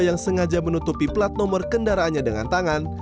yang sengaja menutupi plat nomor kendaraannya dengan tangan